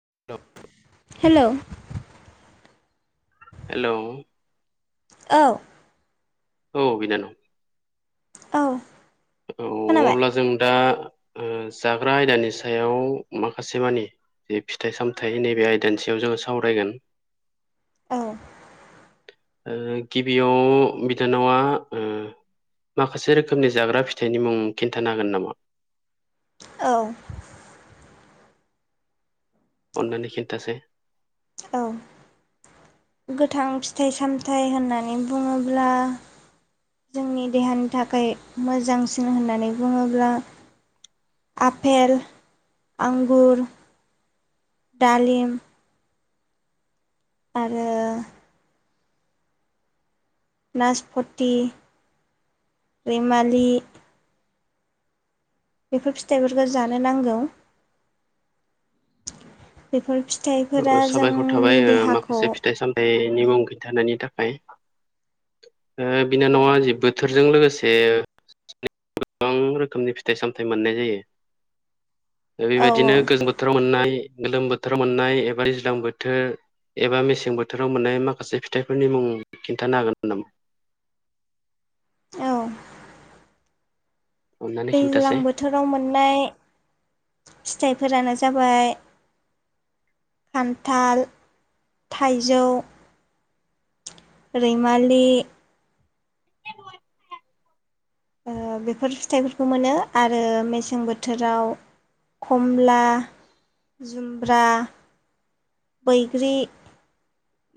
[inaudible] Hello. Hello. औ। औ बिनानाव। औ। औ खोनाबाय अब्ला जों दा। ओह जाग्रा आयदानि सायाव माखासेमानि। जे फिथाइ सामथाइ नैबे आयदानिसायाव जोङो सावरायगोन। औ। ओह गिबियाव बिनानावा ओह। माखासे रोखोमनि जाग्रा फिथाइनिमुं खिन्थानो हागोन नामा। औ। अननानै खिन्थासाय। औ। गोथां फिथाइ सान्थाइ होननानै बुङोब्ला। जोंनि देहानि थाखै मोजांसिन होननानै बुङोब्ला। आफेल आंगुर दालिम। आरो। नासपति रैमालि बेफोर फिथाइफोरखौ जानो नांगौ बेफोर फि साबायखर थाबाय माखासे फिथाइ सामथाइनि मुं खिन्थानायनि थाखाय। औ बिनानावा जि बोथोरजों लोगोसे गोबां रोखोमनि फिथाइ सामथाइ मोननाय जायो औ बेबायदिनो औ गोजां बोथोराव मोननाय गोलोम बोथोराव मोननाय एबा दैज्लां बोथोर एबा मेसें बोथोराव मोननाय माखासे फिथाइफोरनि मुं खिन्थानो हागोन नामा? [unintelligible] औ अननानै दैज्लां खिन्थासै बोथोराव मोननाय फिथाइफोरानो जाबाय खान्थाल थाइजौ रैमालि बेफोर फिथाइफोरखौ मोनो आरो मेसें बोथोराव खमला जुमब्रा बैग्रि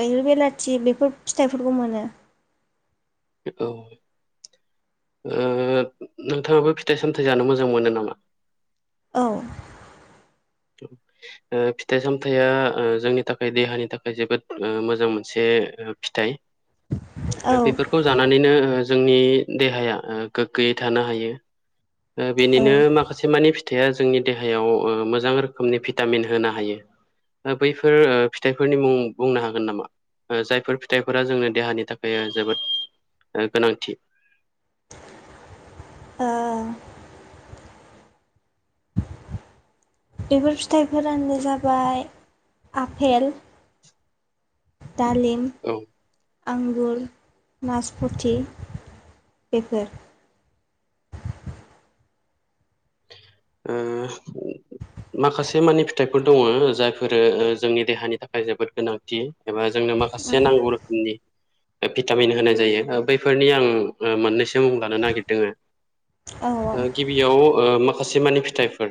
बैग्रि बिलाथि बेफोर फिथाइफोरखौ मोनो। औ नोंथाङाबो फिथाइ सामथायाइ जानो मोजां मोनो नामा? औ फिथाइ सामथायाइा जोंनि थाखाय देहानि थाखाय जोबोद मोजां मोनसे ओ फिथाइ औ बेफोरखौ जानानैनो जोंनि देहाया गोग्गोयै थानो हायो बेनिनो ओ माखासे मानि फिथाइया जोंनि देहायाव मोजां रो खोमनि भिटामिन होनो हायो बैफोर फिथाइफोरनि मुं बुंनो हागोन नामा? जायफोर फिथाइफोरा जोंनो देहानि थाखाय जोबोद गोनांथि। [inaudible] ओ बेफोर फिथाइफोरानो जाबाय आपेल दालिम औ ओ आंगुर नासपथि बेफोर [inaudible] ओ माखासे मानि फिथाइफोर दङ जायफोरो जोंनि देहानि थाखाय जोबोद गोनांथि एबा जों नो औ माखासे नांगौ रोखोमनि भिटामिन होनाय जायो बैफोरनि आं मोननैसो मुं लानो नागिरदों औ गिबियाव माखासे मानि फिथाइफोर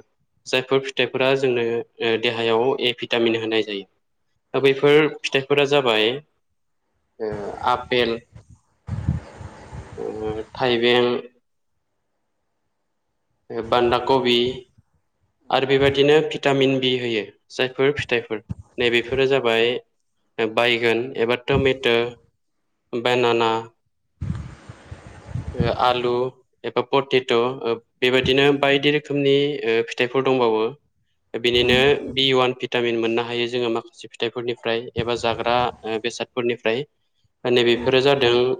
जायफोर फिथाइफोरा जोंनो देहायाव ए भिटामिन होनाय जायो दा बैफोर फिथाइफोरा जाबाय आपेल थाइबें बान्धा कबि आरो बेबायदिनो भिटामिन बि होयो जायफोर फिथाइफोर नैबेफोरो जाबाय बायगन एबा टमेट' बानाना आलु एबा पटेट' बेबायदिनो बायदि रोखोमनि फिथाइफोर दंबावो बिनिनो बि वान भिटामिन मोननो हायो जोङो माखासे फिथाइफोरनिफ्राय एबा जाग्रा बेसादफोरनिफ्राय नैबेफोरो जादों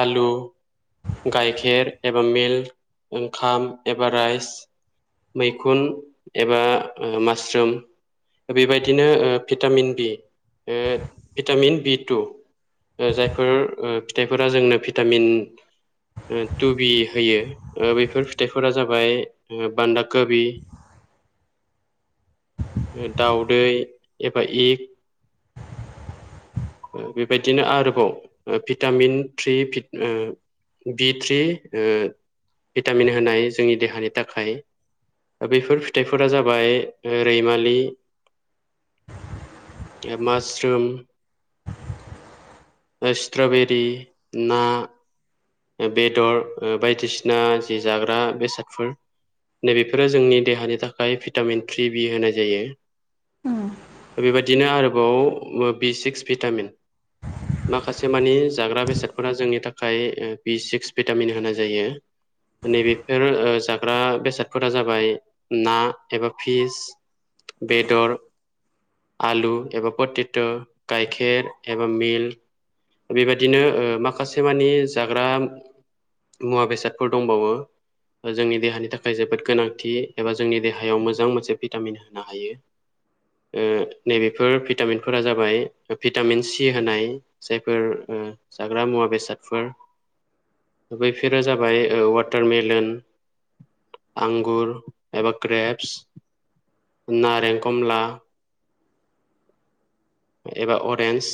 आलु गाइखेर एबा मिल्क ओंखाम एबा राइस मैखुन एबा मासरुम बेबायदिनो vitamin B vitamin B two जायफोर फिथाइफोरा जोंनो भिटामिन थु बि होयो ओ बेफोर फिथाइफोरा जाबाय बान्दाकबि दावदै एबा इग। ओ बेबायदिनो आरोबाव vitamin three five B three ओ भिटामिन होनाय जोंनि देहानि थाखाय। बेफोर फिथाइफोरा जाबाय रैमालि माशरुम स्ट्रबेरि ना बेदर ओ बायदिसिना जि जाग्रा बेसादफोर नै बेफोरो जोंनि देहानि थाखाय भिटामिन थ्रि बि होनाय जायो। बे बायदिनो आरो बाव बि सिक्स भिटामिन माखासे मानि जाग्रा बेसाद फोरा जोंनि थाखाय बि सिक्स भिटामिन होनाय जायो। नै बेफोर जाग्रा बेसादफोरा जाबाय ना एबा फिस बेदर आलु एब फोतेत गायखेर एबा मिल्क बे बायदिनो ओ माखासे मानि जाग्रा मुवा बेसादफोर दंबावो। जोंनि देहानि थाखाय जोबोद गोनांथि एबा जोंनि देहायाव मोजां मोनसे भिटामिन होनो हायो। ओ नै बेफोर भिटामिनफोरा जाबाय भिटामिन सि होनाय जायफोर ओ जाग्रा मुवा बेसादफोर बैफोरो जाबाय ओ वाटारमेलन आंगुर एबा ग्रेपस नारेंकमला एबा अरेन्ज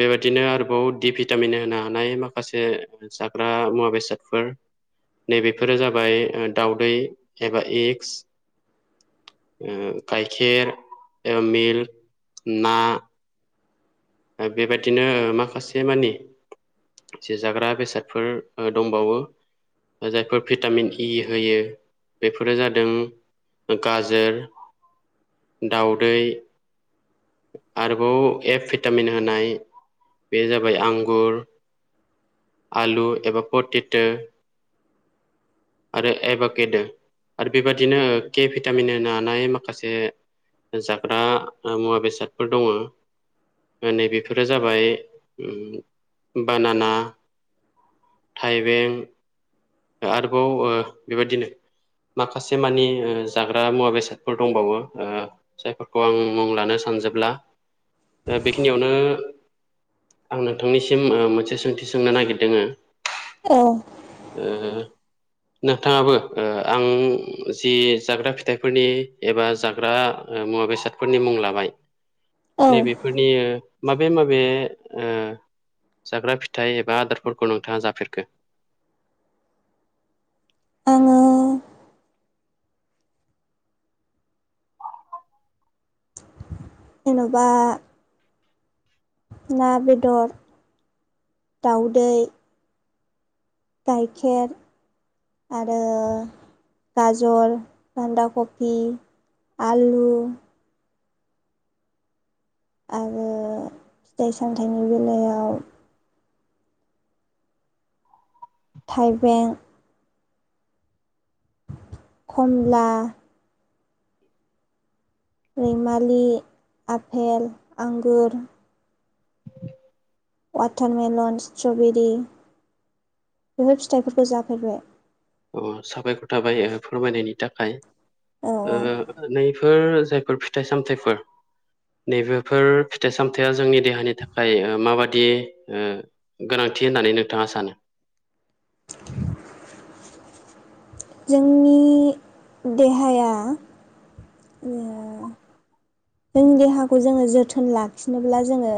बेबायदिनो आरोबाव डि भिटामिन होना। नाय माखासे जाग्रा मुवा बेसादफोर नै बेफोरो जाबाय दावदै एबा एगस ओ गायखेर एबा मिल्क, ना बेबायदिनो माखासे मानि जे जाग्रा बेसादफोर ओ दंबावो। जायफोर भिटामिन इ होयो बेफोरो जादों गाजोर, दावदै आरोबाव एफ भिटामिन होनाय बे जाबाय आंगुर आलु एबा फोटेथो आरो एभाकेदो आरो बेबादिनो के भिटामिन होनो माखासे जाग्रा मुवा बेसादफोर दङ। नै बेेफोरो जाबाय बानाना थाइबें आरोबाव ओ बेबायदिनो माखासे मानि जाग्रा मुवा बेसादफोर दंबावो ओ जायफोरखौ आं मुं लानो सानजोब ब्ला बेखिनियावनो आं नोंथांनिसिम ओ मोनसे सोंथि सोंनो नागिरदोंङो औ ओ नोंथाङाबो ओ आं जि जाग्रा फिथाइफोरनि एबा जाग्रा मु वा-बेसादफोरनि मुं लाबाय औ नैबेफोरनि माबे माबे ओ जाग्रा फिथाइ एबा आदारफोरखौ नोंथाङा जाफेरखो आङो जेनबा ना, बेदर, दावदै गायखेर आरो गाजर बान्दा कफि आलु आरो फिथाइ सामथाइनि बेलायाव थाइबें खमला [inaudible] रिमालि आपेल आंगुर वाटारमेलन स्ट्रबेरि बेफोर फिथाइफोरखौ जाफेरबाय अ साबायखर थाबाय ओ फोरमायनायनि थाखाय औ ओ नै बेफोर जायफोर फिथाइ सामथाइफोर नैबेफोर फिथाइ सामथाइया जोंनि देहानि थाखाय ओ माबादि ओ गोनां खाथि होननानै नोंथाङा सानो [inaudible] जोंनि देहाया ओ जोंनि देहाखौ जोङो जोथोन लाखिनोब्ला जोङो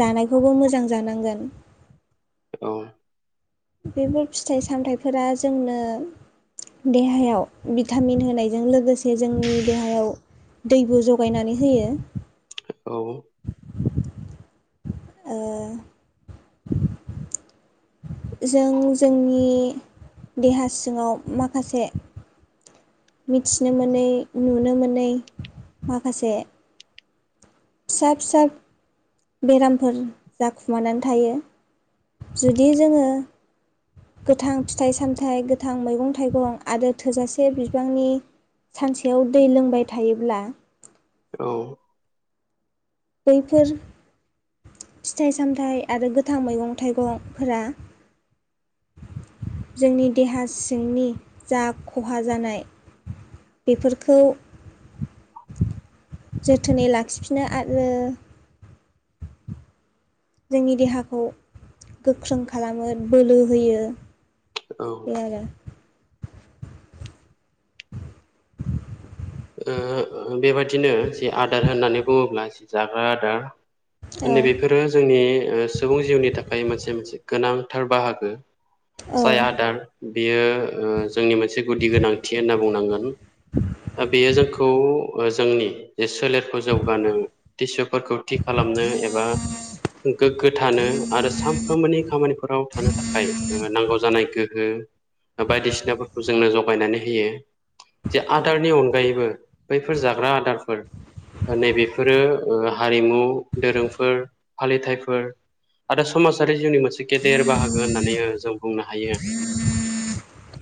जानायखौबो मोजां जानांगोन औ बेफोर फिथाइ सामथायाइफोरा जोंनो देहायाव भिटामिन होनायजों लोगोसे जोंनि देहायाव दैबो जगायनानै होयो औ ए जों जोंनि देहा सिङाव माखासे मिथिनो मोनै नुनो मोनै माखासे फिसा फिसा बेरामफोर जाखुमानानै थायो जुदि जोङो गोथां फिथाइ सामथाइ गोथां मैगं थाइगं आरो थोजासे बिबांनि सानसेयाव दै लोंबाय थायोब्ला औ बैफोर फिथाइ सामथायाइ आरो गोथां मैगं थाइगंफोरा जोंनि देहा सिंनि जा खहा जानाय बेफोरखौ जोथोनै लाखिफिनो आरो जोंनि देहाखौ गोख्रों खालामो बोलो होयो औ ओ बे आरो ओ बेबादिनो जे आदार होननानै बुङोब्ला जि जाग्रा आदार औ नै बेफोरो जोंनि ओ सुबुं जिउनि थाखाय मोनसे मोनसे गोनांथार बाहागो साय आदार बेयो ओ जोंनि मोनसे गुदि गोनांथि होनना बुंनांगोन [inaudible] बे जोंखौ ओ जोंनि जे सोलेरखौ जौगानो टिसु फोरखौ थि खालामनो एबा गोग्गो थानो आरो सानफ्रोमबोनि खामानिफोराव थानो थाखाय ओ नांगौ जानाय गोहो बायदिसिनाफोरखौ जोंनो जगायनानै होयो जे आदारनि अनगा अनगायैबो बैफोर जाग्रा आदारफोर नैबेफोरो ओ हारिमु दोरोंफोर फालिथायाइफोर आरो समाजारि जिउनि मोनसे गेदेर बाहागो होननानै ओ जों बुंनो हायो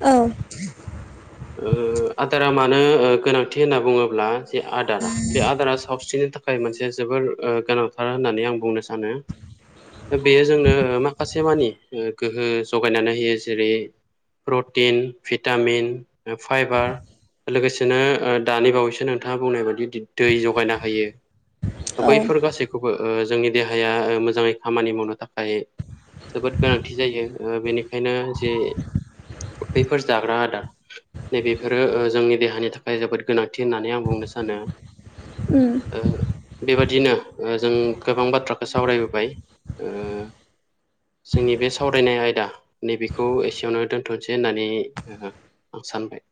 औ ओ आदारा मानो ओ गोनांथि होनना बुङोब्ला जे आदारा बे आदारा सावस्रिनि नि थाखाय मोनसे जोबोर गोनांथार होननानै आं बुंनो सानो बेयो जोंनो माखासे मानि गोहो जगायनानै होयो जेरै। Protein vitamin fibre. लोगोसेनो दानि बावैसो नोंथांङा बुंनाय बायदि दै जगायना होयो। औ बैफोर गासैखौबो जोंनि देहाया मोजाङै खामानि मावनो थाखाय। जोबोद गोनांथि जायो बेनिखायनो जे। बैफोर जाग्रा आदार। नैबेफोरो जोंनि देहानि थाखाय जोबोद गोनांथि होननानै आं बुंनो सानो। उम ओ बेबादिनो जों गोबां बाथ्राखौ सावरायबोबाय ओ जोंनि बे सावरायनाय आयदा नैबेखौ एसियावनो दोन्थ'सै होननानै। आं सानबाय।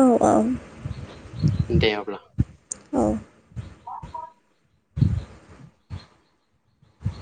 औ औ दे अब्ला औ